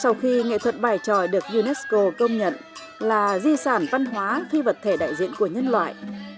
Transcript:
sau khi nghệ thuật bài tròi được unesco công nhận là di sản văn hóa phi vật thể đại diện của nhân loại